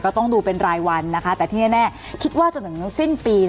ต้องดูเป็นรายวันนะคะแต่ที่แน่คิดว่าจนถึงสิ้นปี